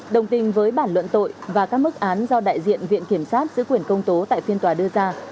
đồng tình với bản luận tội và các mức án do đại diện viện kiểm sát giữ quyền công tố tại phiên tòa đưa ra